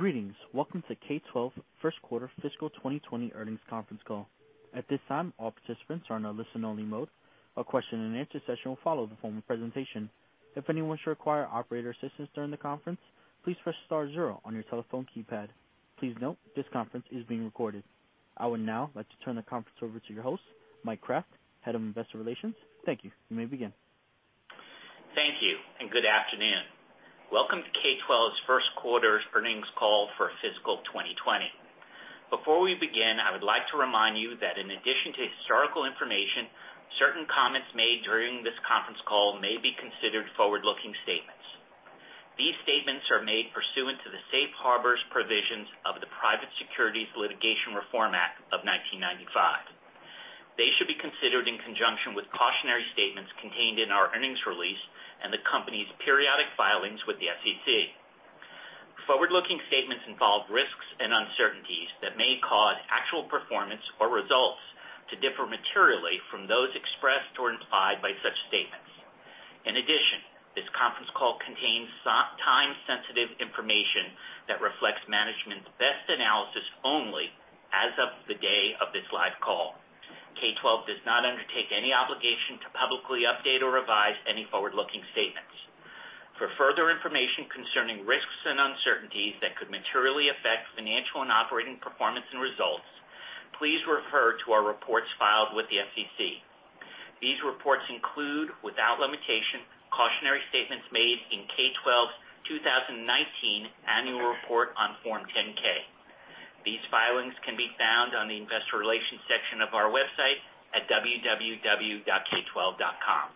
Greetings. Welcome to K12 First Quarter Fiscal 2020 Earnings Conference Call. At this time, all participants are in a listen-only mode. A question-and-answer session will follow the form of presentation. If anyone should require operator assistance during the conference, please press star zero on your telephone keypad. Please note, this conference is being recorded. I would now like to turn the conference over to your host. Thank you. You may begin. Thank you, and good afternoon. Welcome to K12's first quarter earnings call for fiscal 2020. Before we begin, I would like to remind you that in addition to historical information, certain comments made during this conference call may be considered forward-looking statements. These statements are made pursuant to the safe harbor's provisions of the Private Securities Litigation Reform Act of 1995. They should be considered in conjunction with cautionary statements contained in our earnings release and the company's periodic filings with the SEC. Forward-looking statements involve risks and uncertainties that may cause actual performance or results to differ materially from those expressed or implied by such statements. In addition, this conference call contains time-sensitive information that reflects management's best analysis only as of the day of this live call. K12 does not undertake any obligation to publicly update or revise any forward-looking statements. For further information concerning risks and uncertainties that could materially affect financial and operating performance and results, please refer to our reports filed with the SEC. These reports include, without limitation, cautionary statements made in K12's 2019 Annual Report on Form 10-K. These filings can be found on the Investor Relations section of our website at www.k12.com.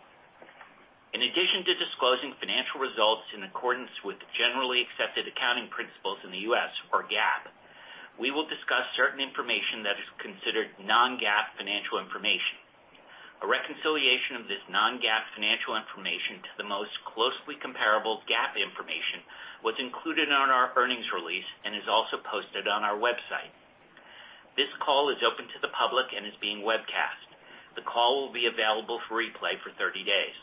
In addition to disclosing financial results in accordance with Generally Accepted Accounting Principles in the U.S., or GAAP, we will discuss certain information that is considered non-GAAP financial information. A reconciliation of this non-GAAP financial information to the most closely comparable GAAP information was included on our earnings release and is also posted on our website. This call is open to the public and is being webcast. The call will be available for replay for 30 days.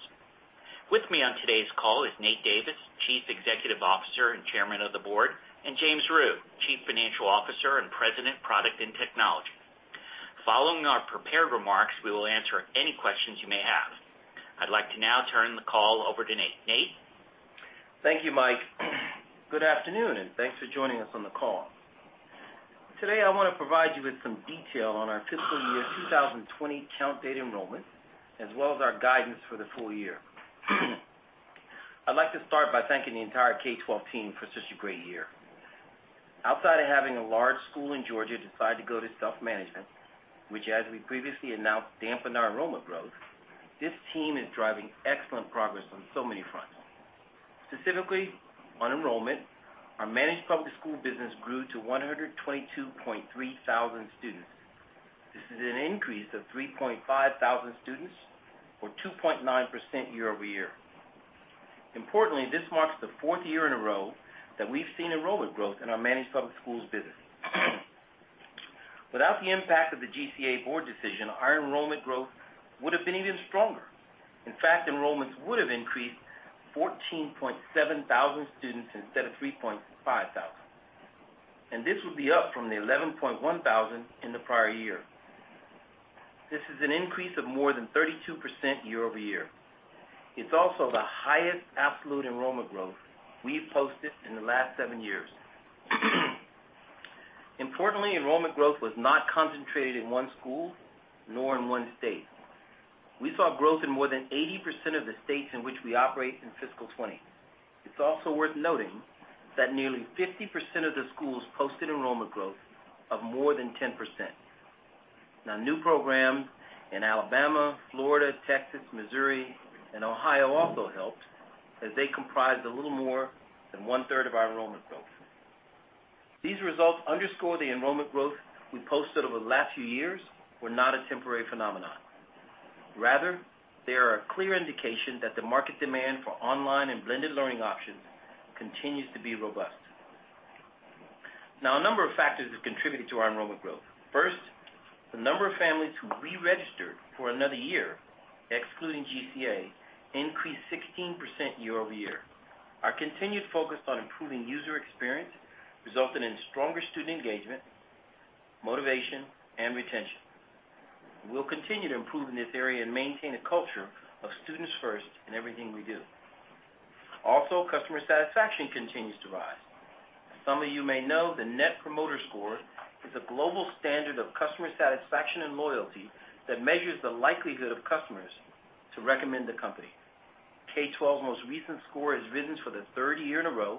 With me on today's call is Nate Davis, Chief Executive Officer and Chairman of the Board, and James Rhyu, Chief Financial Officer and President of Product and Technology. Following our prepared remarks, we will answer any questions you may have. I'd like to now turn the call over to Nate. Nate? Thank you, Mike. Good afternoon, and thanks for joining us on the call. Today, I want to provide you with some detail on our Fiscal Year 2020 count date enrollment, as well as our guidance for the full year. I'd like to start by thanking the entire K12 team for such a great year. Outside of having a large school in Georgia decide to go to self-management, which, as we previously announced, dampened our enrollment growth, this team is driving excellent progress on so many fronts. Specifically, on enrollment, our managed public school business grew to 122.3 thousand students. This is an increase of 3.5 thousand students, or 2.9% year over year. Importantly, this marks the fourth year in a row that we've seen enrollment growth in our managed public schools business. Without the impact of the GCA board decision, our enrollment growth would have been even stronger. In fact, enrollments would have increased 14.7 thousand students instead of 3.5 thousand, and this would be up from the 11.1 thousand in the prior year. This is an increase of more than 32% year over year. It's also the highest absolute enrollment growth we've posted in the last seven years. Importantly, enrollment growth was not concentrated in one school, nor in one state. We saw growth in more than 80% of the states in which we operate in Fiscal 2020. It's also worth noting that nearly 50% of the schools posted enrollment growth of more than 10%. Now, new programs in Alabama, Florida, Texas, Missouri, and Ohio also helped, as they comprised a little more than one-third of our enrollment growth. These results underscore the enrollment growth we posted over the last few years were not a temporary phenomenon. Rather, they are a clear indication that the market demand for online and blended learning options continues to be robust. Now, a number of factors have contributed to our enrollment growth. First, the number of families who re-registered for another year, excluding GCA, increased 16% year over year. Our continued focus on improving user experience resulted in stronger student engagement, motivation, and retention. We'll continue to improve in this area and maintain a culture of students first in everything we do. Also, customer satisfaction continues to rise. Some of you may know the Net Promoter Score is a global standard of customer satisfaction and loyalty that measures the likelihood of customers to recommend the company. K12's most recent score has risen for the third year in a row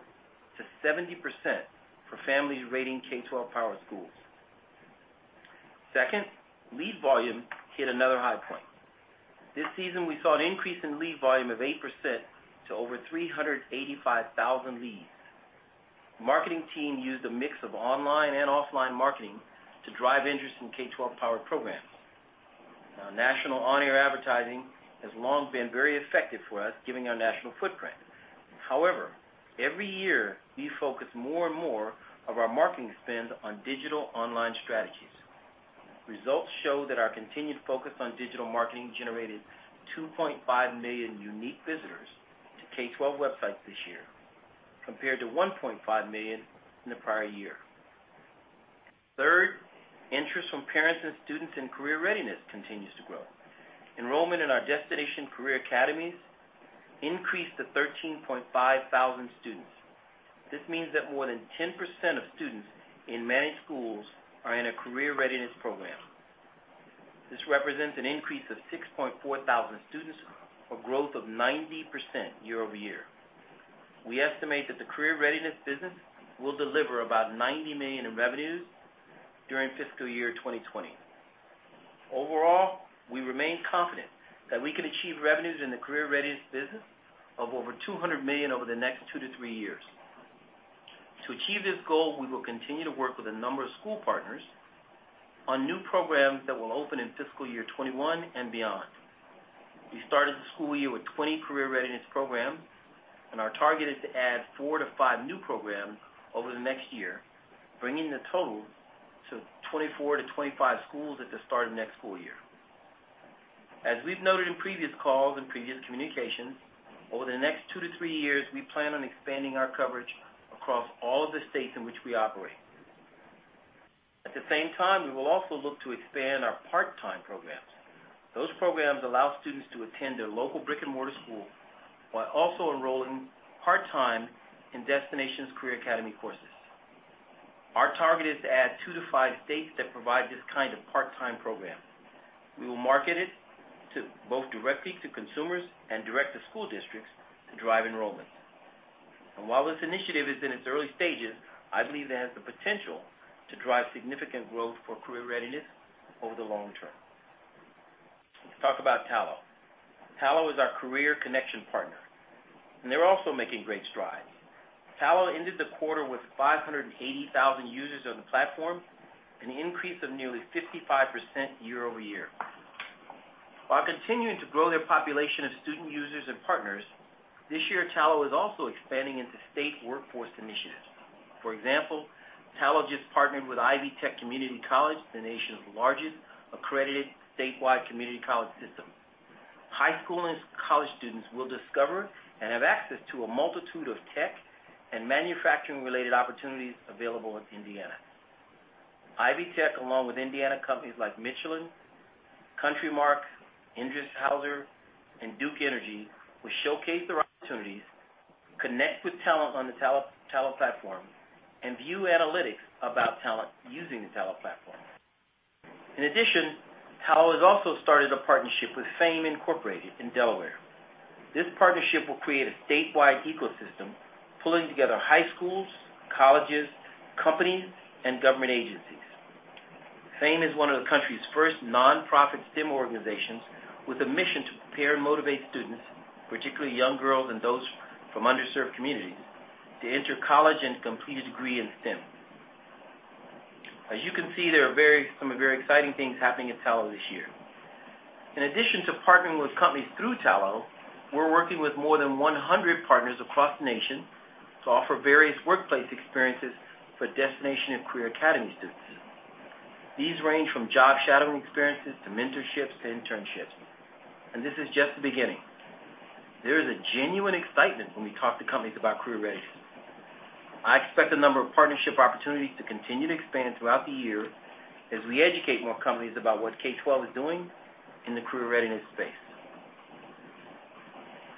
to 70% for families rating K12-powered schools. Second, lead volume hit another high point. This season, we saw an increase in lead volume of 8% to over 385,000 leads. The marketing team used a mix of online and offline marketing to drive interest in K12-powered programs. Now, national on-air advertising has long been very effective for us, giving our national footprint. However, every year, we focus more and more of our marketing spend on digital online strategies. Results show that our continued focus on digital marketing generated 2.5 million unique visitors to K12 websites this year, compared to 1.5 million in the prior year. Third, interest from parents and students in career readiness continues to grow. Enrollment in our Destination Career Academies increased to 13.5 thousand students. This means that more than 10% of students in managed schools are in a career readiness program. This represents an increase of 6.4 thousand students, a growth of 90% year over year. We estimate that the career readiness business will deliver about $90 million in revenues during Fiscal Year 2020. Overall, we remain confident that we can achieve revenues in the career readiness business of over $200 million over the next two to three years. To achieve this goal, we will continue to work with a number of school partners on new programs that will open in Fiscal Year 2021 and beyond. We started the school year with 20 career readiness programs, and our target is to add four to five new programs over the next year, bringing the total to 24 to 25 schools at the start of next school year. As we've noted in previous calls and previous communications, over the next two to three years, we plan on expanding our coverage across all of the states in which we operate. At the same time, we will also look to expand our part-time programs. Those programs allow students to attend their local brick-and-mortar school while also enrolling part-time in Destination Career Academies courses. Our target is to add two to five states that provide this kind of part-time program. We will market it both directly to consumers and direct to school districts to drive enrollment. And while this initiative is in its early stages, I believe it has the potential to drive significant growth for career readiness over the long term. Let's talk about Tallo. Tallo is our career connection partner, and they're also making great strides. Tallo ended the quarter with 580,000 users on the platform, an increase of nearly 55% year over year. While continuing to grow their population of student users and partners, this year, Tallo is also expanding into state workforce initiatives. For example, Tallo just partnered with Ivy Tech Community College, the nation's largest accredited statewide community college system. High school and college students will discover and have access to a multitude of tech and manufacturing-related opportunities available in Indiana. Ivy Tech, along with Indiana companies like Michelin, CountryMark, Endress+Hauser, and Duke Energy, will showcase their opportunities, connect with talent on the Tallo platform, and view analytics about talent using the Tallo platform. In addition, Tallo has also started a partnership with FAME, Inc. in Delaware. This partnership will create a statewide ecosystem, pulling together high schools, colleges, companies, and government agencies. FAME is one of the country's first nonprofit STEM organizations with a mission to prepare and motivate students, particularly young girls and those from underserved communities, to enter college and complete a degree in STEM. As you can see, there are some very exciting things happening at Tallo this year. In addition to partnering with companies through Tallo, we're working with more than 100 partners across the nation to offer various workplace experiences for Destination Career Academy students. These range from job shadowing experiences to mentorships to internships, and this is just the beginning. There is a genuine excitement when we talk to companies about career readiness. I expect a number of partnership opportunities to continue to expand throughout the year as we educate more companies about what K12 is doing in the career readiness space.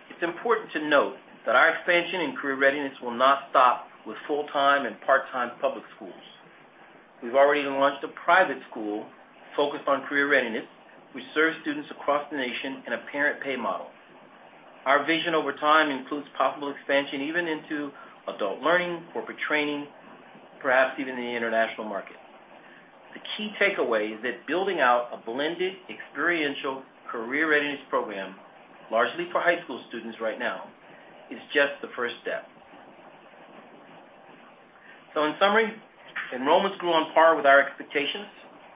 It's important to note that our expansion in career readiness will not stop with full-time and part-time public schools. We've already launched a private school focused on career readiness, which serves students across the nation in a parent-pay model. Our vision over time includes possible expansion even into adult learning, corporate training, perhaps even the international market. The key takeaway is that building out a blended experiential career readiness program, largely for high school students right now, is just the first step. So, in summary, enrollments grew on par with our expectations.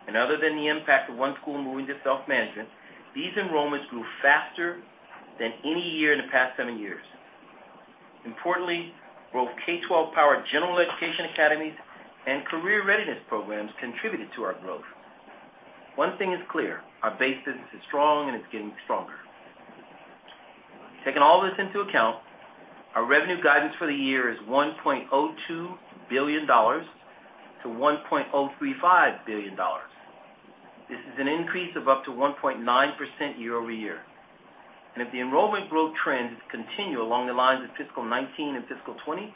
And other than the impact of one school moving to self-management, these enrollments grew faster than any year in the past seven years. Importantly, both K12-powered General Education Academies and career readiness programs contributed to our growth. One thing is clear: our base business is strong, and it's getting stronger. Taking all this into account, our revenue guidance for the year is $1.02 billion-$1.035 billion. This is an increase of up to 1.9% year over year. If the enrollment growth trends continue along the lines of Fiscal 19 and Fiscal 20,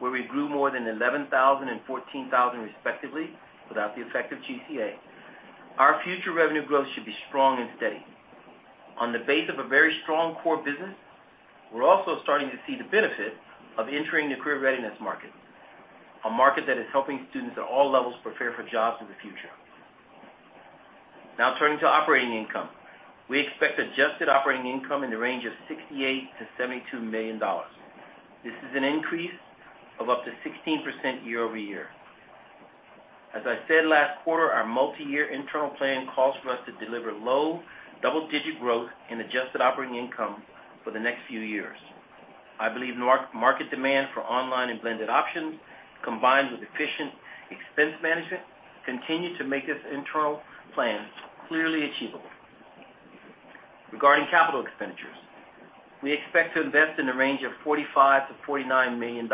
where we grew more than 11,000 and 14,000 respectively without the effect of GCA, our future revenue growth should be strong and steady. On the basis of a very strong core business, we're also starting to see the benefit of entering the career readiness market, a market that is helping students at all levels prepare for jobs in the future. Now, turning to operating income, we expect adjusted operating income in the range of $68-$72 million. This is an increase of up to 16% year over year. As I said last quarter, our multi-year internal plan calls for us to deliver low double-digit growth in adjusted operating income for the next few years. I believe market demand for online and blended options, combined with efficient expense management, continue to make this internal plan clearly achievable. Regarding capital expenditures, we expect to invest in the range of $45-$49 million.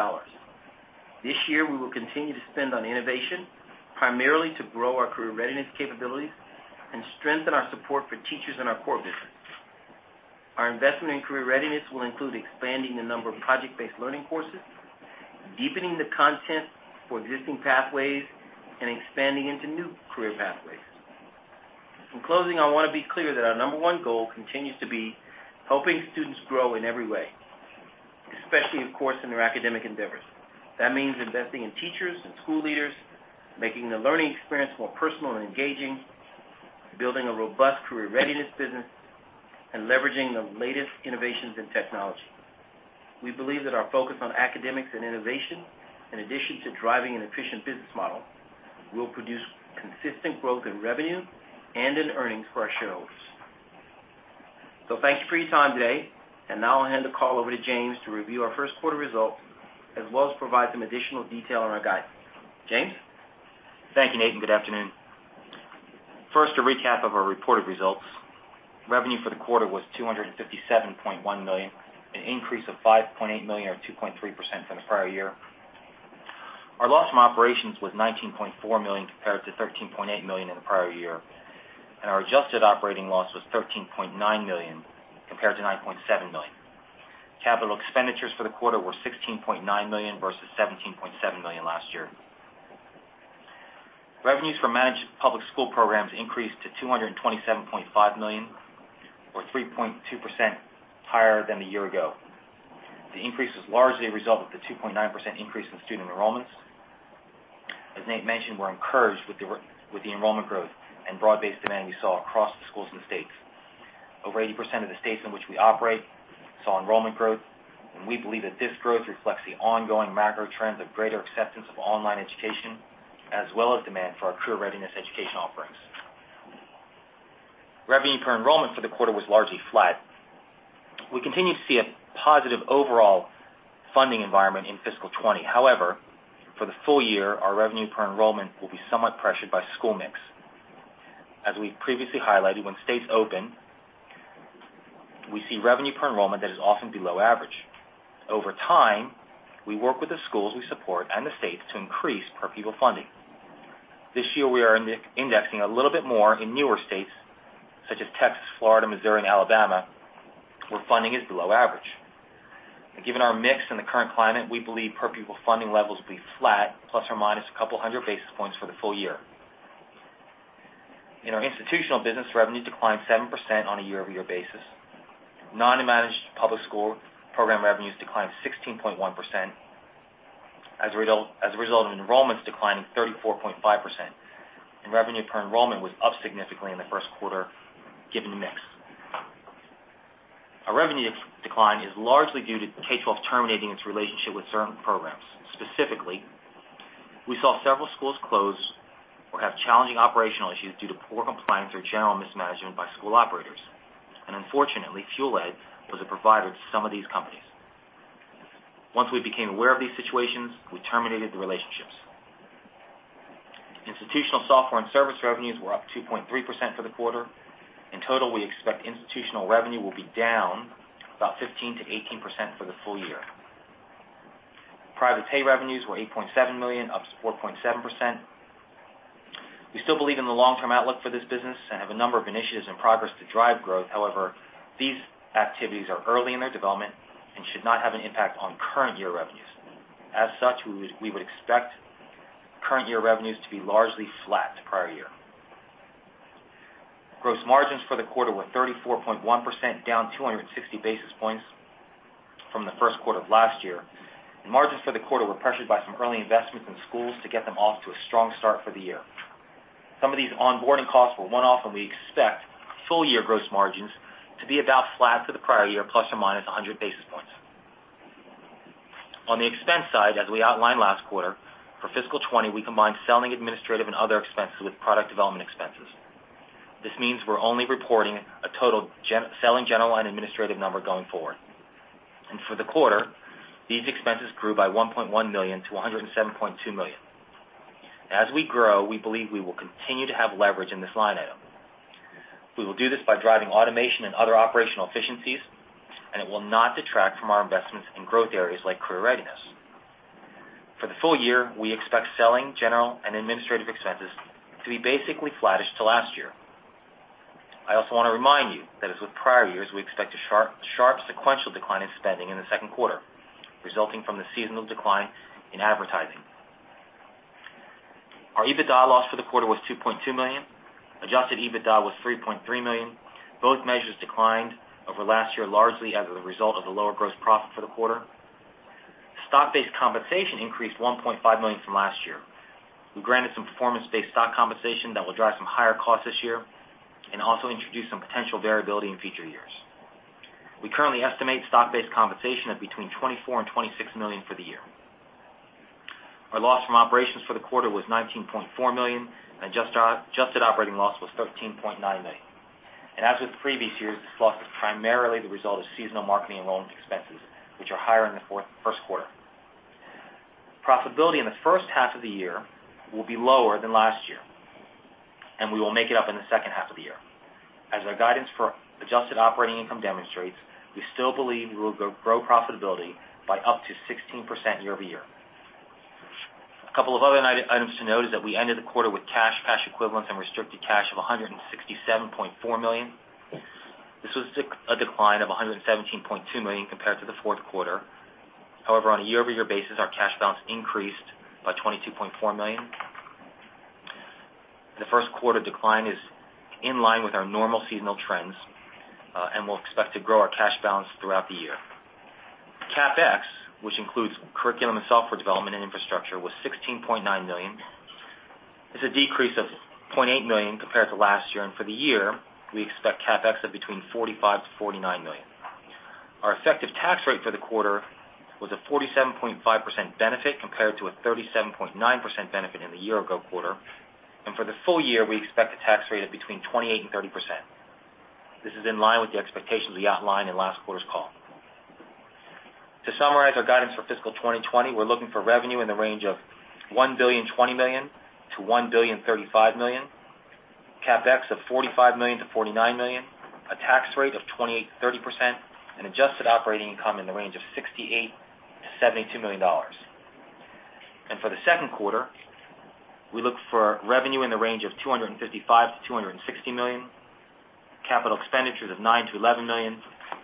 This year, we will continue to spend on innovation, primarily to grow our career readiness capabilities and strengthen our support for teachers in our core business. Our investment in career readiness will include expanding the number of project-based learning courses, deepening the content for existing pathways, and expanding into new career pathways. In closing, I want to be clear that our number one goal continues to be helping students grow in every way, especially, of course, in their academic endeavors. That means investing in teachers and school leaders, making the learning experience more personal and engaging, building a robust career readiness business, and leveraging the latest innovations in technology. We believe that our focus on academics and innovation, in addition to driving an efficient business model, will produce consistent growth in revenue and in earnings for our shareholders. So, thank you for your time today. And now I'll hand the call over to James to review our first quarter results, as well as provide some additional detail on our guidance. James? Thank you, Nate. Good afternoon. First, a recap of our reported results. Revenue for the quarter was $257.1 million, an increase of $5.8 million, or 2.3% from the prior year. Our loss from operations was $19.4 million, compared to $13.8 million in the prior year, and our adjusted operating loss was $13.9 million, compared to $9.7 million. Capital expenditures for the quarter were $16.9 million versus $17.7 million last year. Revenues for managed public school programs increased to $227.5 million, or 3.2% higher than the year ago. The increase was largely a result of the 2.9% increase in student enrollments. As Nate mentioned, we're encouraged with the enrollment growth and broad-based demand we saw across the schools and states. Over 80% of the states in which we operate saw enrollment growth, and we believe that this growth reflects the ongoing macro trends of greater acceptance of online education, as well as demand for our career readiness education offerings. Revenue per enrollment for the quarter was largely flat. We continue to see a positive overall funding environment in Fiscal 20. However, for the full year, our revenue per enrollment will be somewhat pressured by school mix. As we've previously highlighted, when states open, we see revenue per enrollment that is often below average. Over time, we work with the schools we support and the states to increase per pupil funding. This year, we are indexing a little bit more in newer states, such as Texas, Florida, Missouri, and Alabama, where funding is below average. Given our mix and the current climate, we believe per pupil funding levels will be flat, plus or minus a couple hundred basis points for the full year. In our institutional business, revenue declined 7% on a year-over-year basis. Non-managed public school program revenues declined 16.1% as a result of enrollments declining 34.5%. And revenue per enrollment was up significantly in the first quarter, given the mix. Our revenue decline is largely due to K12 terminating its relationship with certain programs. Specifically, we saw several schools close or have challenging operational issues due to poor compliance or general mismanagement by school operators, and unfortunately, FuelEd was a provider to some of these companies. Once we became aware of these situations, we terminated the relationships. Institutional software and service revenues were up 2.3% for the quarter. In total, we expect institutional revenue will be down about 15%-18% for the full year. Private-pay revenues were $8.7 million, up 4.7%. We still believe in the long-term outlook for this business and have a number of initiatives in progress to drive growth. However, these activities are early in their development and should not have an impact on current year revenues. As such, we would expect current year revenues to be largely flat to prior year. Gross margins for the quarter were 34.1%, down 260 basis points from the first quarter of last year, and margins for the quarter were pressured by some early investments in schools to get them off to a strong start for the year. Some of these onboarding costs were one-off, and we expect full-year gross margins to be about flat to the prior year, plus or minus 100 basis points. On the expense side, as we outlined last quarter, for Fiscal 2020, we combined selling administrative and other expenses with product development expenses. This means we're only reporting a total selling general and administrative number going forward, and for the quarter, these expenses grew by $1.1 million to $107.2 million. As we grow, we believe we will continue to have leverage in this line item. We will do this by driving automation and other operational efficiencies, and it will not detract from our investments in growth areas like career readiness. For the full year, we expect selling general and administrative expenses to be basically flattish to last year. I also want to remind you that, as with prior years, we expect a sharp sequential decline in spending in the second quarter, resulting from the seasonal decline in advertising. Our EBITDA loss for the quarter was $2.2 million. Adjusted EBITDA was $3.3 million. Both measures declined over last year, largely as a result of the lower gross profit for the quarter. Stock-based compensation increased $1.5 million from last year. We granted some performance-based stock compensation that will drive some higher costs this year and also introduce some potential variability in future years. We currently estimate stock-based compensation at between $24 and $26 million for the year. Our loss from operations for the quarter was $19.4 million, and adjusted operating loss was $13.9 million. As with previous years, this loss is primarily the result of seasonal marketing and enrollment expenses, which are higher in the first quarter. Profitability in the first half of the year will be lower than last year, and we will make it up in the second half of the year. As our guidance for adjusted operating income demonstrates, we still believe we will grow profitability by up to 16% year over year. A couple of other items to note is that we ended the quarter with cash and cash equivalents and restricted cash of $167.4 million. This was a decline of $117.2 million compared to the fourth quarter. However, on a year-over-year basis, our cash balance increased by $22.4 million. The first quarter decline is in line with our normal seasonal trends, and we'll expect to grow our cash balance throughout the year. CAPEX, which includes curriculum and software development and infrastructure, was $16.9 million. It's a decrease of $0.8 million compared to last year, and for the year, we expect CAPEX of between $45-$49 million. Our effective tax rate for the quarter was a 47.5% benefit compared to a 37.9% benefit in the year-ago quarter. And for the full year, we expect a tax rate of between 28% and 30%. This is in line with the expectations we outlined in last quarter's call. To summarize our guidance for Fiscal 2020, we're looking for revenue in the range of $1.02 million-$1.035 million, CapEx of $45 million-$49 million, a tax rate of 28%-30%, and adjusted operating income in the range of $68 million-$72 million. And for the second quarter, we look for revenue in the range of $255 million-$260 million, capital expenditures of $9 million-$11 million,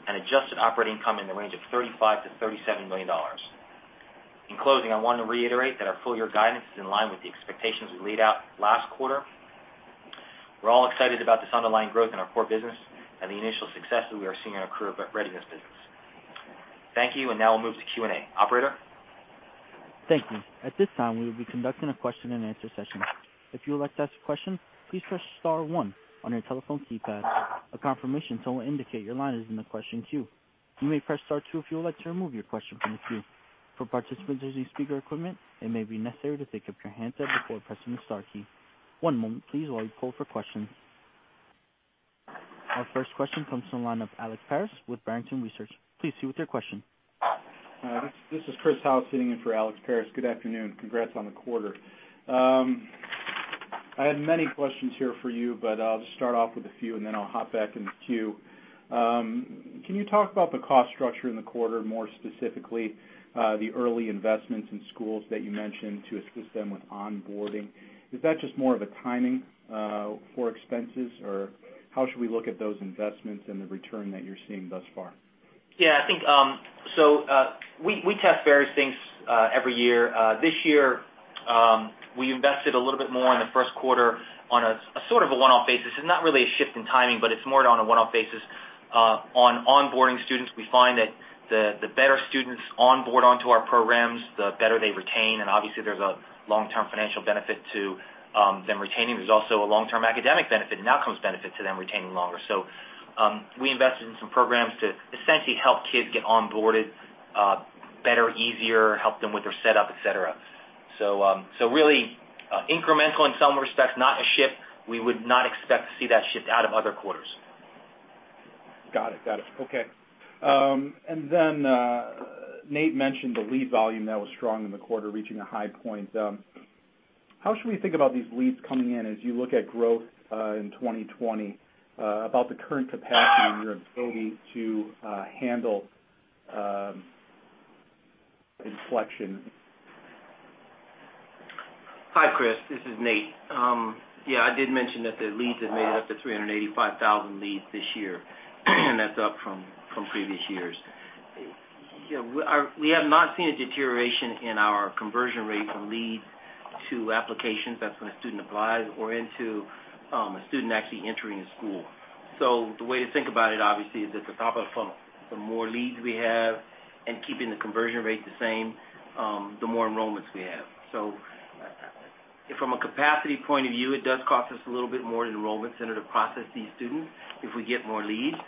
and adjusted operating income in the range of $35 million-$37 million. In closing, I want to reiterate that our full-year guidance is in line with the expectations we laid out last quarter. We're all excited about this underlying growth in our core business and the initial successes we are seeing in our career readiness business. Thank you, and now we'll move to Q&A. Operator? Thank you. At this time, we will be conducting a question-and-answer session. If you would like to ask a question, please press star one on your telephone keypad. A confirmation tone will indicate your line is in the question queue. You may press star two if you would like to remove your question from the queue. For participants using speaker equipment, it may be necessary to take up your handset before pressing the star key. One moment, please, while we poll for questions. Our first question comes from the line of Alex Paris with Barrington Research. Please proceed with your question. This is Chris Howell sitting in for Alex Paris. Good afternoon. Congrats on the quarter. I had many questions here for you, but I'll just start off with a few, and then I'll hop back in the queue. Can you talk about the cost structure in the quarter, more specifically the early investments in schools that you mentioned to assist them with onboarding? Is that just more of a timing for expenses, or how should we look at those investments and the return that you're seeing thus far? Yeah. I think, so we test various things every year. This year, we invested a little bit more in the first quarter on a sort of a one-off basis. It's not really a shift in timing, but it's more on a one-off basis. On onboarding students, we find that the better students onboard onto our programs, the better they retain. And obviously, there's a long-term financial benefit to them retaining. There's also a long-term academic benefit and outcomes benefit to them retaining longer. So we invested in some programs to essentially help kids get onboarded better, easier, help them with their setup, etc. So really incremental in some respects, not a shift. We would not expect to see that shift out of other quarters. Got it. Got it. Okay. And then Nate mentioned the lead volume that was strong in the quarter, reaching a high point. How should we think about these leads coming in as you look at growth in 2020? About the current capacity and your ability to handle inflection? Hi, Chris. This is Nate. Yeah, I did mention that the leads have made it up to 385,000 leads this year, and that's up from previous years. We have not seen a deterioration in our conversion rate from leads to applications, that's when a student applies, or into a student actually entering a school. So the way to think about it, obviously, is at the top of the funnel. The more leads we have and keeping the conversion rate the same, the more enrollments we have. So from a capacity point of view, it does cost us a little bit more to enrollment center to process these students if we get more leads.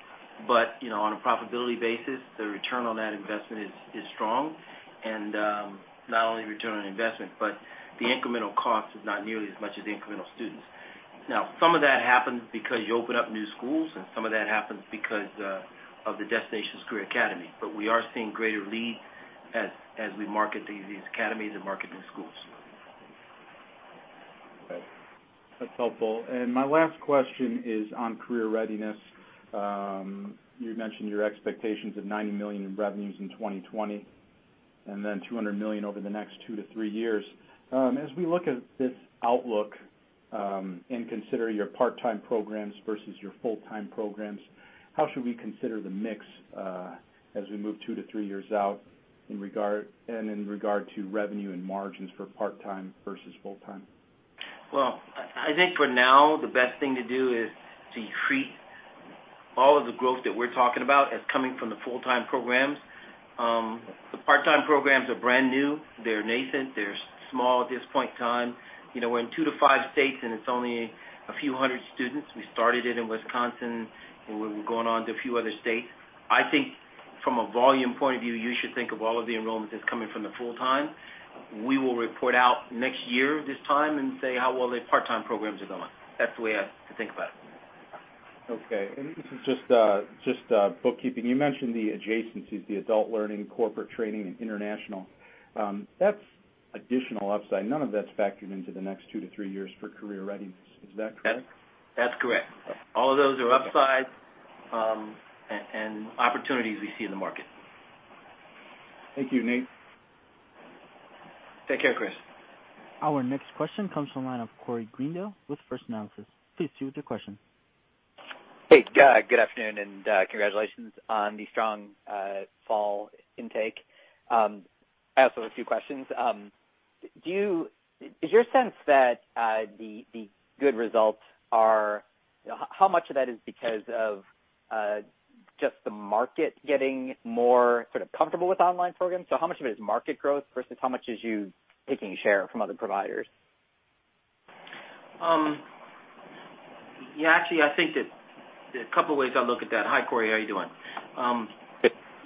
But on a profitability basis, the return on that investment is strong. And not only return on investment, but the incremental cost is not nearly as much as the incremental students. Now, some of that happens because you open up new schools, and some of that happens because of the Destination Career Academy. But we are seeing greater leads as we market these academies and market new schools. That's helpful. And my last question is on career readiness. You mentioned your expectations of $90 million in revenues in 2020 and then $200 million over the next two to three years. As we look at this outlook and consider your part-time programs versus your full-time programs, how should we consider the mix as we move two to three years out and in regard to revenue and margins for part-time versus full-time? I think for now, the best thing to do is to treat all of the growth that we're talking about as coming from the full-time programs. The part-time programs are brand new. They're nascent. They're small at this point in time. We're in two to five states, and it's only a few hundred students. We started it in Wisconsin, and we're going on to a few other states. I think from a volume point of view, you should think of all of the enrollments as coming from the full-time. We will report out next year this time and say how well the part-time programs are going. That's the way I think about it. Okay. And this is just bookkeeping. You mentioned the adjacencies, the adult learning, corporate training, and international. That's additional upside. None of that's factored into the next two to three years for career readiness. Is that correct? That's correct. All of those are upsides and opportunities we see in the market. Thank you, Nate. Take care, Chris. Our next question comes from the line of Corey Greendale with First Analysis. Please proceed with your question. Hey, good afternoon, and congratulations on the strong fall intake. I also have a few questions. Is your sense that the good results are how much of that is because of just the market getting more sort of comfortable with online programs? So how much of it is market growth versus how much is you taking a share from other providers? Yeah, actually, I think that a couple of ways I look at that. Hi, Corey. How are you doing?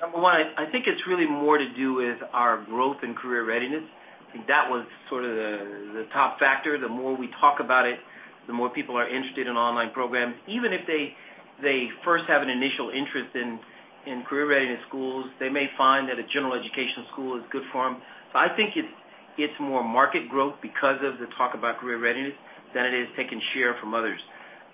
Number one, I think it's really more to do with our growth and career readiness. I think that was sort of the top factor. The more we talk about it, the more people are interested in online programs. Even if they first have an initial interest in career readiness schools, they may find that a general education school is good for them. So I think it's more market growth because of the talk about career readiness than it is taking share from others.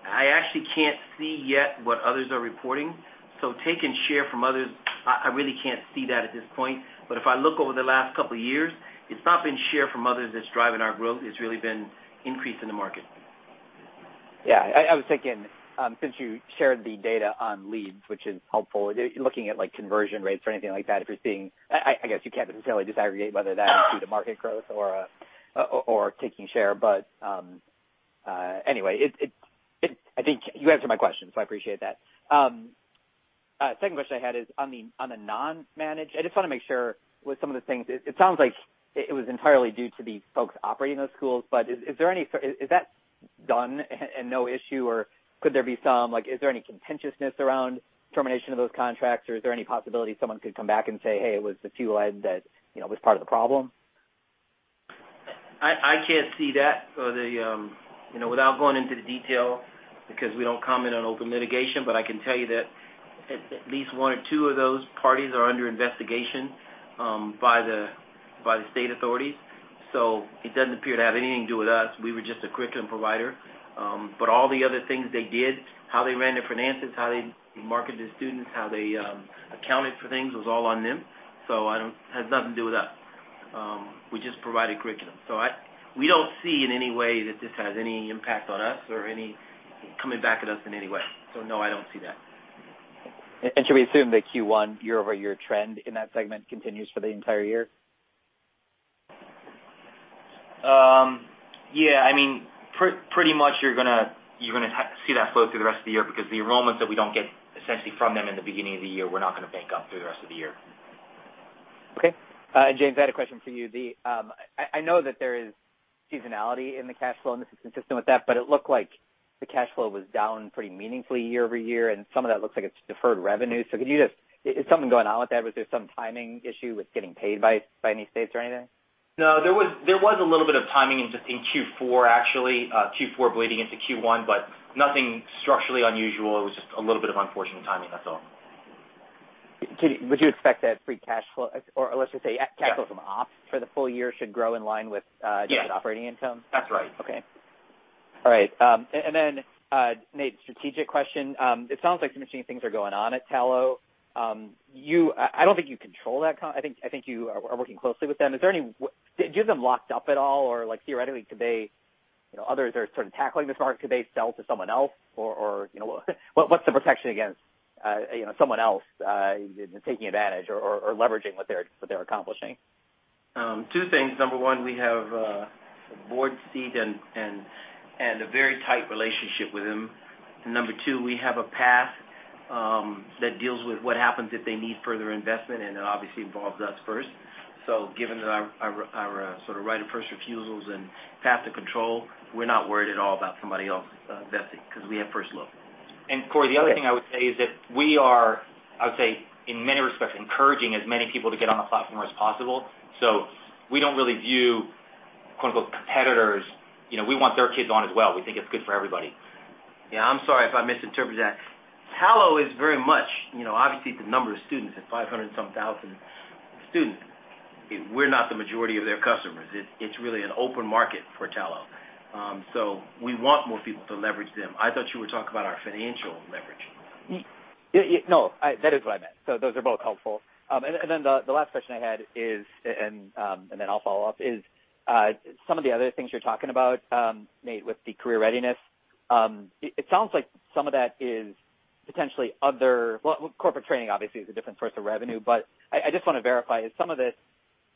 I actually can't see yet what others are reporting. So taking share from others, I really can't see that at this point. But if I look over the last couple of years, it's not been share from others that's driving our growth. It's really been an increase in the market. Yeah. I was thinking, since you shared the data on leads, which is helpful, looking at conversion rates or anything like that, if you're seeing - I guess you can't necessarily disaggregate whether that is due to market growth or taking share. But anyway, I think you answered my question, so I appreciate that. Second question I had is on the non-managed - I just want to make sure with some of the things. It sounds like it was entirely due to the folks operating those schools, but is there any - is that done and no issue, or could there be some - is there any contentiousness around termination of those contracts, or is there any possibility someone could come back and say, "Hey, it was the FuelEd that was part of the problem"? I can't see that without going into the detail because we don't comment on open litigation, but I can tell you that at least one or two of those parties are under investigation by the state authorities. So it doesn't appear to have anything to do with us. We were just a curriculum provider. But all the other things they did, how they ran their finances, how they marketed their students, how they accounted for things, was all on them. So it has nothing to do with us. We just provided curriculum. So we don't see in any way that this has any impact on us or any coming back at us in any way. So no, I don't see that. Should we assume the Q1 year-over-year trend in that segment continues for the entire year? Yeah. I mean, pretty much you're going to see that flow through the rest of the year because the enrollments that we don't get essentially from them in the beginning of the year, we're not going to bank up through the rest of the year. Okay. And James, I had a question for you. I know that there is seasonality in the cash flow, and this is consistent with that, but it looked like the cash flow was down pretty meaningfully year over year, and some of that looks like it's deferred revenue. So could you just—is something going on with that? Was there some timing issue with getting paid by any states or anything? No, there was a little bit of timing in Q4, actually. Q4 bleeding into Q1, but nothing structurally unusual. It was just a little bit of unfortunate timing. That's all. Would you expect that free cash flow, or let's just say cash flow from ops for the full year, should grow in line with operating income? Yes, that's right. Okay. All right. And then, Nate, strategic question. It sounds like some interesting things are going on at Tallo. I don't think you control that. I think you are working closely with them. Do you have them locked up at all? Or theoretically, could they, others are sort of tackling this market? Could they sell to someone else? Or what's the protection against someone else taking advantage or leveraging what they're accomplishing? Two things. Number one, we have a board seat and a very tight relationship with them. And number two, we have a path that deals with what happens if they need further investment, and it obviously involves us first. So given that our sort of right of first refusals and path to control, we're not worried at all about somebody else investing because we have first look. And Corey, the other thing I would say is that we are, I would say, in many respects, encouraging as many people to get on the platform as possible. So we don't really view "competitors." We want their kids on as well. We think it's good for everybody. Yeah, I'm sorry if I misinterpreted that. Tallo is very much, obviously, the number of students is 500-some thousand students. We're not the majority of their customers. It's really an open market for Tallo. So we want more people to leverage them. I thought you were talking about our financial leverage. No, that is what I meant, so those are both helpful. And then the last question I had is, and then I'll follow up, is some of the other things you're talking about, Nate, with the career readiness. It sounds like some of that is potentially other. Well, corporate training, obviously, is a different source of revenue. But I just want to verify, is some of this,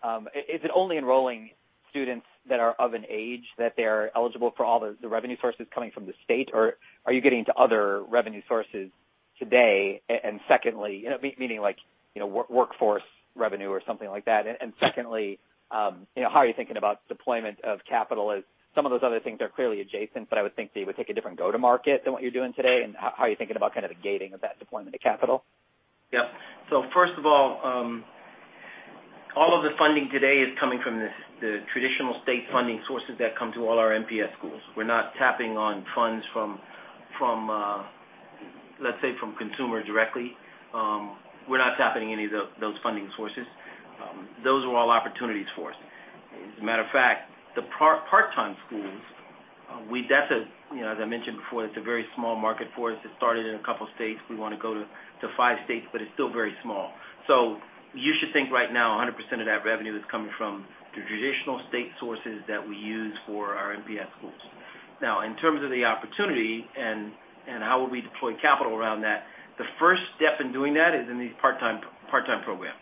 is it only enrolling students that are of an age that they're eligible for all the revenue sources coming from the state, or are you getting into other revenue sources today? And secondly, meaning workforce revenue or something like that. And secondly, how are you thinking about deployment of capital? Some of those other things are clearly adjacent, but I would think they would take a different go-to-market than what you're doing today. How are you thinking about kind of the gating of that deployment of capital? Yep. So first of all, all of the funding today is coming from the traditional state funding sources that come to all our MPS schools. We're not tapping on funds from, let's say, from consumer directly. We're not tapping any of those funding sources. Those are all opportunities for us. As a matter of fact, the part-time schools, that's, as I mentioned before, it's a very small market for us. It started in a couple of states. We want to go to five states, but it's still very small. So you should think right now 100% of that revenue is coming from the traditional state sources that we use for our MPS schools. Now, in terms of the opportunity and how would we deploy capital around that, the first step in doing that is in these part-time programs.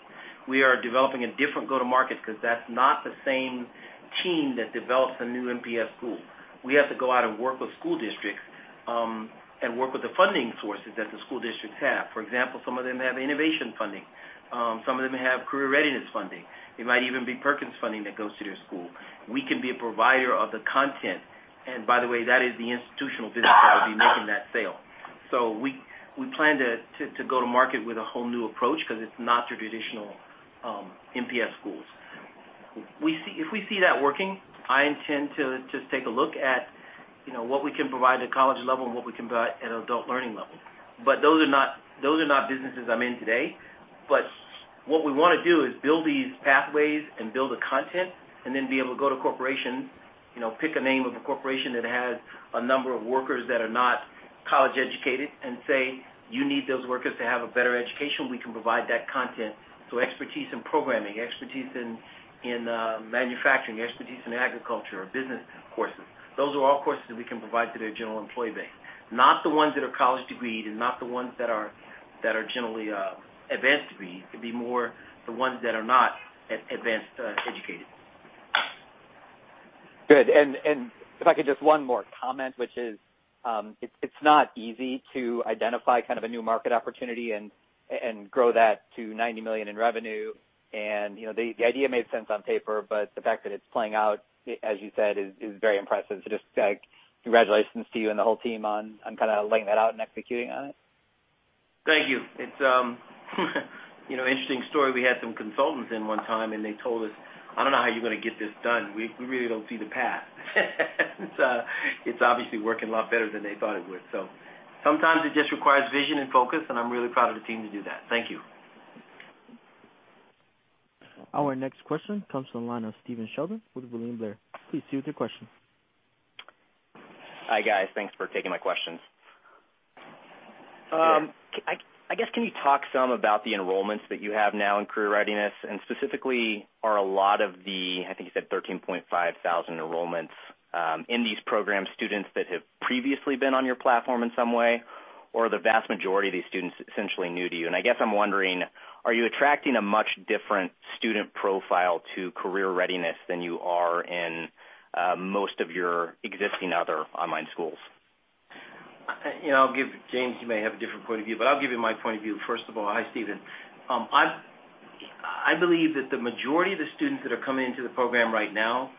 We are developing a different go-to-market because that's not the same team that develops a new MPS school. We have to go out and work with school districts and work with the funding sources that the school districts have. For example, some of them have innovation funding. Some of them have career readiness funding. It might even be Perkins funding that goes to their school. We can be a provider of the content. And by the way, that is the institutional business that would be making that sale. So we plan to go-to-market with a whole new approach because it's not your traditional MPS schools. If we see that working, I intend to just take a look at what we can provide at college level and what we can provide at adult learning level. But those are not businesses I'm in today. But what we want to do is build these pathways and build the content and then be able to go to corporations, pick a name of a corporation that has a number of workers that are not college-educated, and say, "You need those workers to have a better education. We can provide that content." So expertise in programming, expertise in manufacturing, expertise in agriculture, business courses, those are all courses that we can provide to their general employee base. Not the ones that are college-degreed and not the ones that are generally advanced-degreed. It'd be more the ones that are not advanced-educated. Good. And if I could just one more comment, which is it's not easy to identify kind of a new market opportunity and grow that to $90 million in revenue. And the idea made sense on paper, but the fact that it's playing out, as you said, is very impressive. So just congratulations to you and the whole team on kind of laying that out and executing on it. Thank you. It's an interesting story. We had some consultants in one time, and they told us, "I don't know how you're going to get this done. We really don't see the path." It's obviously working a lot better than they thought it would. So sometimes it just requires vision and focus, and I'm really proud of the team to do that. Thank you. Our next question comes from the line of Stephen Sheldon with William Blair. Please proceed with your question. Hi, guys. Thanks for taking my questions. I guess can you talk some about the enrollments that you have now in career readiness? And specifically, are a lot of the, I think you said 13.5 thousand enrollments in these programs students that have previously been on your platform in some way, or are the vast majority of these students essentially new to you? And I guess I'm wondering, are you attracting a much different student profile to career readiness than you are in most of your existing other online schools? I'll give James. He may have a different point of view, but I'll give you my point of view. First of all, hi Stephen. I believe that the majority of the students that are coming into the program right now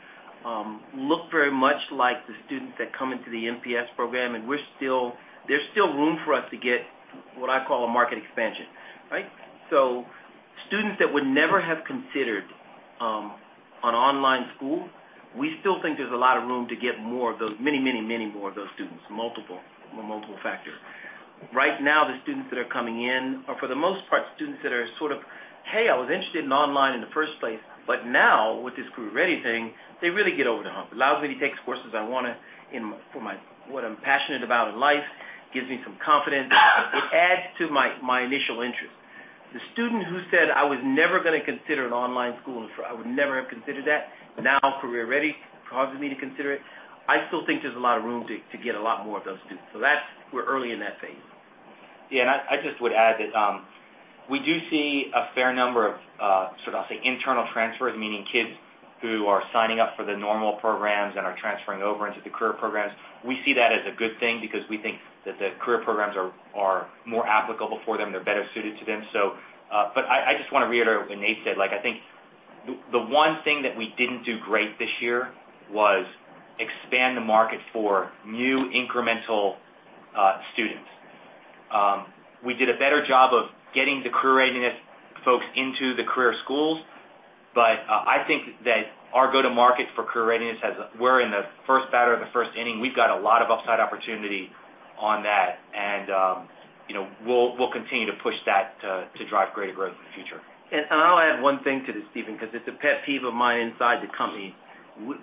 look very much like the students that come into the MPS program, and there's still room for us to get what I call a market expansion, right? So students that would never have considered an online school, we still think there's a lot of room to get more of those many, many, many more of those students, multiple factors. Right now, the students that are coming in are, for the most part, students that are sort of, "Hey, I was interested in online in the first place," but now with this career ready thing, they really get over the hump. It allows me to take courses I want to for what I'm passionate about in life. It gives me some confidence. It adds to my initial interest. The student who said, "I was never going to consider an online school," and I would never have considered that, now career ready causes me to consider it. I still think there's a lot of room to get a lot more of those students. So we're early in that phase. Yeah. And I just would add that we do see a fair number of sort of, I'll say, internal transfers, meaning kids who are signing up for the normal programs and are transferring over into the career programs. We see that as a good thing because we think that the career programs are more applicable for them. They're better suited to them. But I just want to reiterate what Nate said. I think the one thing that we didn't do great this year was expand the market for new incremental students. We did a better job of getting the career readiness folks into the career schools, but I think that our go-to-market for career readiness has. We're in the first batter of the first inning. We've got a lot of upside opportunity on that, and we'll continue to push that to drive greater growth in the future. And I'll add one thing to this, Stephen, because it's a pet peeve of mine inside the company.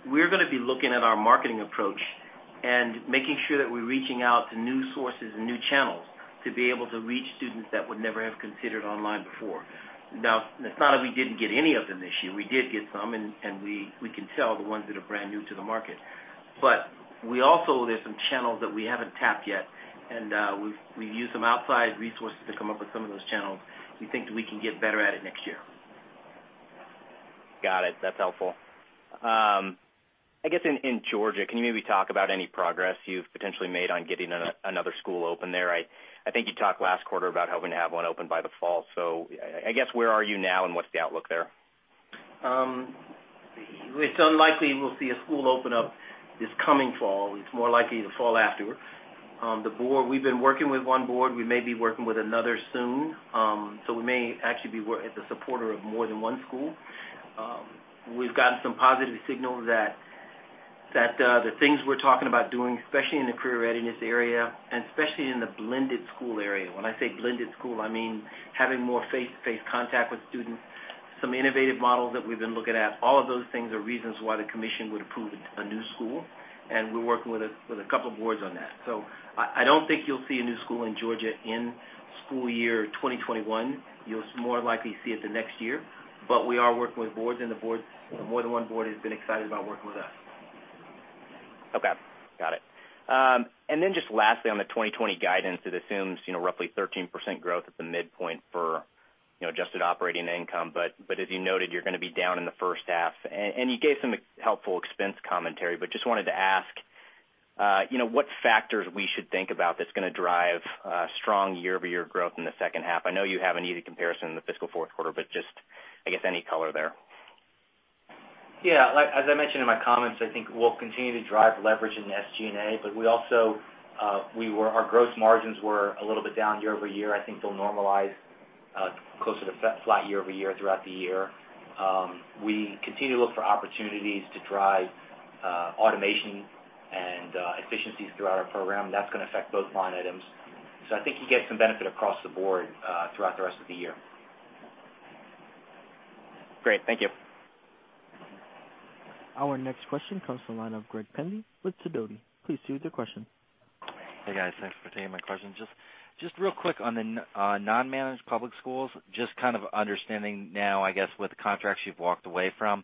We're going to be looking at our marketing approach and making sure that we're reaching out to new sources and new channels to be able to reach students that would never have considered online before. Now, it's not that we didn't get any of them this year. We did get some, and we can tell the ones that are brand new to the market. But there's some channels that we haven't tapped yet, and we've used some outside resources to come up with some of those channels. We think we can get better at it next year. Got it. That's helpful. I guess in Georgia, can you maybe talk about any progress you've potentially made on getting another school open there? I think you talked last quarter about hoping to have one open by the fall. So I guess where are you now, and what's the outlook there? It's unlikely we'll see a school open up this coming fall. It's more likely the fall afterward. We've been working with one board. We may be working with another soon. So we may actually be the supporter of more than one school. We've gotten some positive signals that the things we're talking about doing, especially in the career readiness area and especially in the blended school area. When I say blended school, I mean having more face-to-face contact with students, some innovative models that we've been looking at. All of those things are reasons why the commission would approve a new school, and we're working with a couple of boards on that. So I don't think you'll see a new school in Georgia in school year 2021. You'll more likely see it the next year. But we are working with boards, and more than one board has been excited about working with us. Okay. Got it. And then just lastly, on the 2020 guidance, it assumes roughly 13% growth at the midpoint for adjusted operating income. But as you noted, you're going to be down in the first half. And you gave some helpful expense commentary, but just wanted to ask what factors we should think about that's going to drive strong year-over-year growth in the second half? I know you have an easy comparison in the fiscal fourth quarter, but just, I guess, any color there? Yeah. As I mentioned in my comments, I think we'll continue to drive leverage in SG&A, but our gross margins were a little bit down year-over-year. I think they'll normalize closer to flat year-over-year throughout the year. We continue to look for opportunities to drive automation and efficiencies throughout our program. That's going to affect both line items. So I think you get some benefit across the board throughout the rest of the year. Great. Thank you. Our next question comes from the line of Greg Pendy with Sidoti & Company. Please proceed with your question. Hey, guys. Thanks for taking my question. Just real quick on the non-managed public schools, just kind of understanding now, I guess, with the contracts you've walked away from,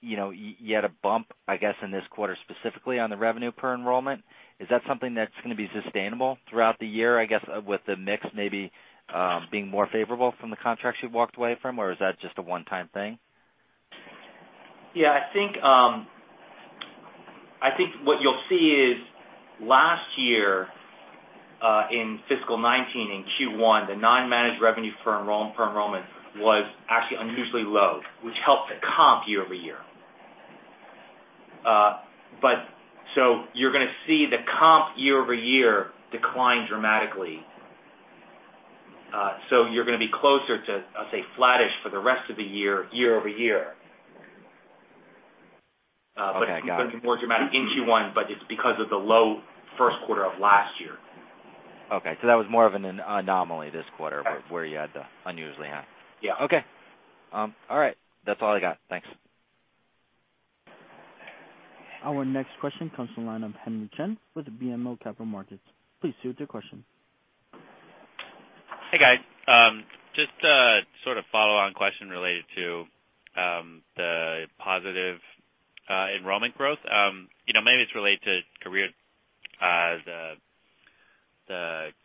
you had a bump, I guess, in this quarter specifically on the revenue per enrollment. Is that something that's going to be sustainable throughout the year, I guess, with the mix maybe being more favorable from the contracts you've walked away from, or is that just a one-time thing? Yeah. I think what you'll see is last year in fiscal 2019 in Q1, the non-managed revenue per enrollment was actually unusually low, which helped the comp year-over-year. So you're going to see the comp year-over-year decline dramatically. So you're going to be closer to, I'll say, flattish for the rest of the year year-over-year. But it's going to be more dramatic in Q1, but it's because of the low first quarter of last year. Okay. So that was more of an anomaly this quarter where you had too unusually high. Yeah. Okay. All right. That's all I got. Thanks. Our next question comes from the line of Henry Chien with BMO Capital Markets. Please go ahead with your question. Hey, guys. Just sort of follow-on question related to the positive enrollment growth. Maybe it's related to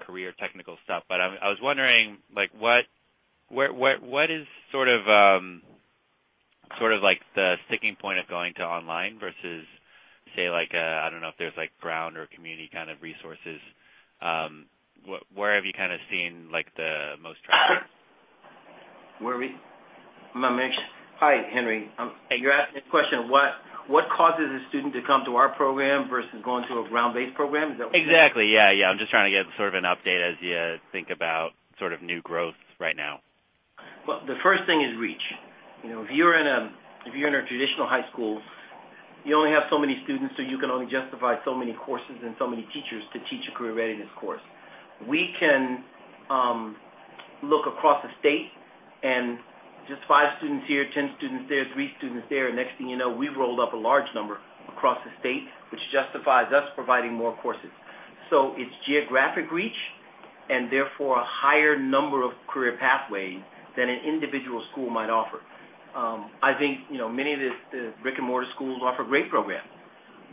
career technical stuff, but I was wondering what is sort of the sticking point of going to online versus, say, I don't know if there's blended or community kind of resources? Where have you kind of seen the most traction? Where are we? I'm not mentioned. Hi, Henry. You're asking a question of what causes a student to come to our program versus going to a brick-and-mortar program? Is that what you're saying? Exactly. Yeah. Yeah. I'm just trying to get sort of an update as you think about sort of new growth right now. The first thing is reach. If you're in a traditional high school, you only have so many students, so you can only justify so many courses and so many teachers to teach a career readiness course. We can look across the state and just five students here, 10 students there, three students there, and next thing you know, we've rolled up a large number across the state, which justifies us providing more courses. So it's geographic reach and therefore a higher number of career pathways than an individual school might offer. I think many of the brick-and-mortar schools offer great programs,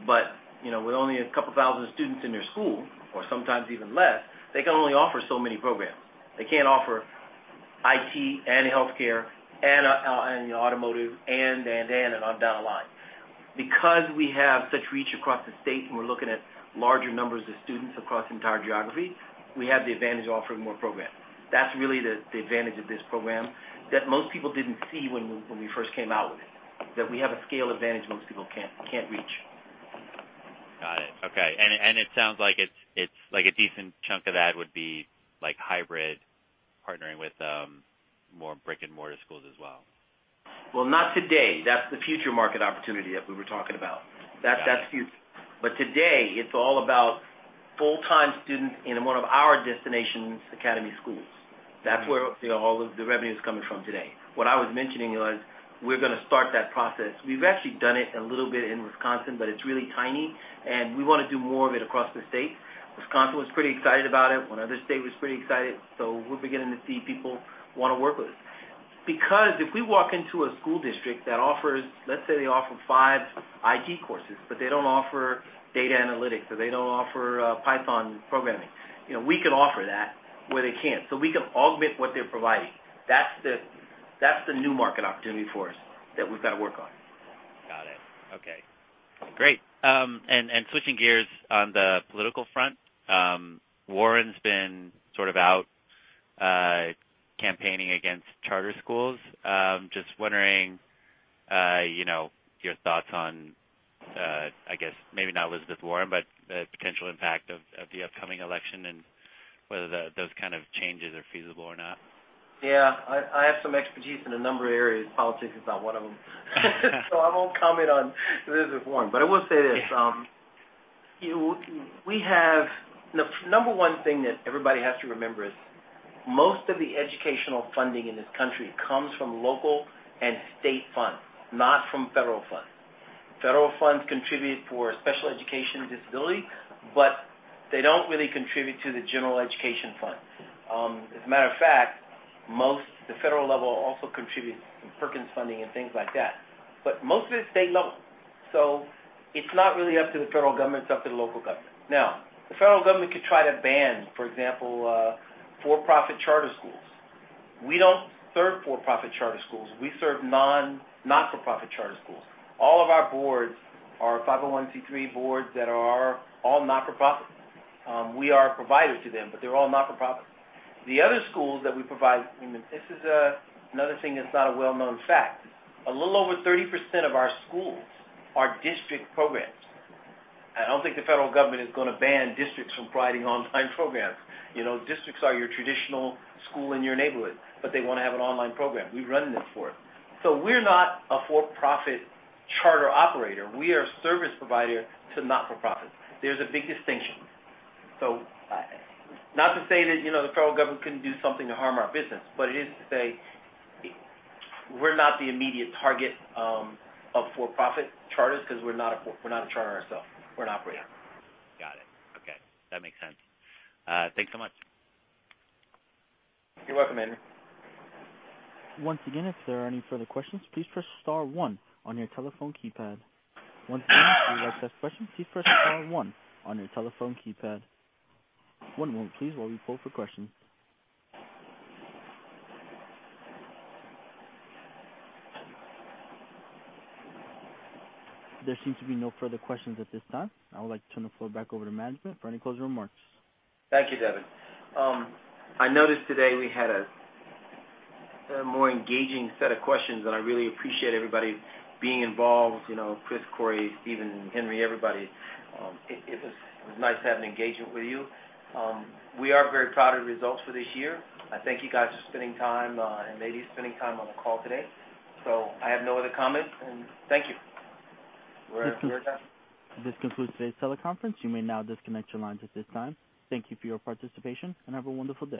but with only a couple thousand students in their school or sometimes even less, they can only offer so many programs. They can't offer IT and healthcare and automotive and, and, and, and on down the line. Because we have such reach across the state and we're looking at larger numbers of students across the entire geography, we have the advantage of offering more programs. That's really the advantage of this program that most people didn't see when we first came out with it, that we have a scale advantage most people can't reach. Got it. Okay, and it sounds like a decent chunk of that would be hybrid partnering with more brick-and-mortar schools as well. Well, not today. That's the future market opportunity that we were talking about. That's future. But today, it's all about full-time students in one of our Destinations Academy schools. That's where all of the revenue is coming from today. What I was mentioning was we're going to start that process. We've actually done it a little bit in Wisconsin, but it's really tiny, and we want to do more of it across the state. Wisconsin was pretty excited about it. One other state was pretty excited. So we're beginning to see people want to work with us. Because if we walk into a school district that offers, let's say they offer five IT courses, but they don't offer data analytics or they don't offer Python programming, we can offer that where they can't. So we can augment what they're providing. That's the new market opportunity for us that we've got to work on. Got it. Okay. Great. And switching gears on the political front, Warren's been sort of out campaigning against charter schools. Just wondering your thoughts on, I guess, maybe not Elizabeth Warren, but the potential impact of the upcoming election and whether those kind of changes are feasible or not. Yeah. I have some expertise in a number of areas. Politics is not one of them. So I won't comment on Elizabeth Warren, but I will say this. The number one thing that everybody has to remember is most of the educational funding in this country comes from local and state funds, not from federal funds. Federal funds contribute for special education disability, but they don't really contribute to the general education fund. As a matter of fact, the federal level also contributes Perkins funding and things like that. But most of it is state level. So it's not really up to the federal government. It's up to the local government. Now, the federal government could try to ban, for example, for-profit charter schools. We don't serve for-profit charter schools. We serve non-for-profit charter schools. All of our boards are 501(c)(3) boards that are all not-for-profit. We are a provider to them, but they're all not-for-profit. The other schools that we provide, and this is another thing that's not a well-known fact, a little over 30% of our schools are district programs. I don't think the federal government is going to ban districts from providing online programs. Districts are your traditional school in your neighborhood, but they want to have an online program. We run them for it. So we're not a for-profit charter operator. We are a service provider to not-for-profits. There's a big distinction. So not to say that the federal government couldn't do something to harm our business, but it is to say we're not the immediate target of for-profit charters because we're not a charter ourselves. We're an operator. Got it. Okay. That makes sense. Thanks so much. You're welcome, Henry. Once again, if there are any further questions, please press star one on your telephone keypad. Once again, if you'd like to ask a question, please press star one on your telephone keypad. One moment, please, while we pull up a question. There seems to be no further questions at this time. I would like to turn the floor back over to management for any closing remarks. Thank you, Devin. I noticed today we had a more engaging set of questions, and I really appreciate everybody being involved: Chris, Corey, Stephen, Henry, everybody. It was nice having an engagement with you. We are very proud of the results for this year. I thank you guys for spending time and maybe spending time on the call today. So I have no other comments, and thank you. This concludes today's teleconference. You may now disconnect your lines at this time. Thank you for your participation, and have a wonderful day.